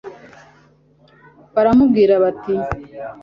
baramubwira bati